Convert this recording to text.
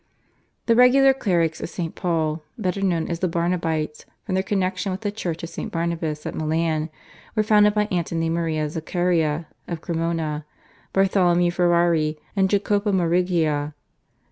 The Regular Clerics of St. Paul, better known as the Barnabites from their connexion with the church of St. Barnabas at Milan, were founded by Antony Maria Zaccaria of Cremona, Bartholomew Ferrari and Jacopo Morigia.